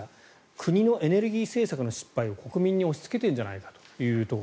国のエネルギー政策の失敗を国民に押しつけているんじゃないかと。